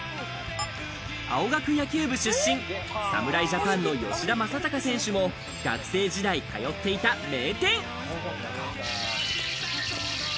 青学野球部出身、侍ジャパンの吉田正尚選手も学生時代通っていた名店。